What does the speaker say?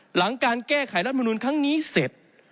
หลังการแก้ไขรัฐมนุนครั้งนี้เสร็จ